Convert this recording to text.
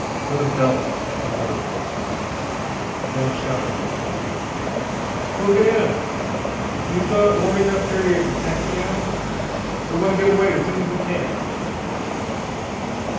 With a bellow, the motor caught. Bell shouted in Paula's ear. "We'll get in. Use the warming up period to taxi out. We want to get away as soon as we can."